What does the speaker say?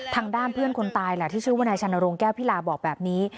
ทางด้านเพื่อนคนตายแหละที่ชื่อว่านายชานโรงแก้วพิลาบอกแบบนี้